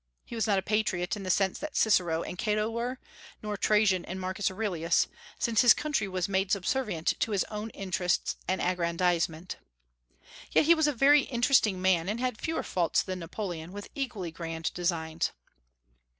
He was not a patriot in the sense that Cicero and Cato were, or Trajan and Marcus Aurelius, since his country was made subservient to his own interests and aggrandizement. Yet he was a very interesting man, and had fewer faults than Napoleon, with equally grand designs.